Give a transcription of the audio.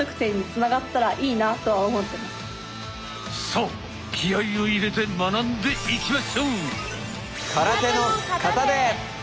さあ気合いを入れて学んでいきましょう！